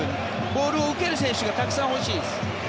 ボールを受ける選手がたくさん欲しい。